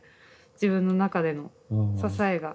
自分の中での支えが。